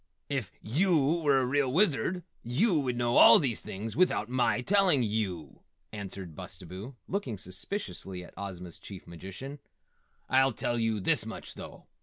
"If yew were a real Wizard yew would know all these things without my telling yew," answered Bustabo, looking suspiciously at Ozma's Chief Magician. "I'll tell you this much, though.